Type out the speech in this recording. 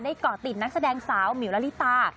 เกาะติดนักแสดงสาวหมิวละลิตา